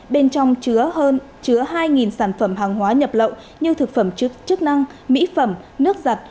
bên trong chứa hơn chứa hai sản phẩm hàng hóa nhập lậu như thực phẩm chức năng mỹ phẩm nước giặt